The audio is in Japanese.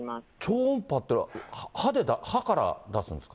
超音波というのは歯から出すんですか。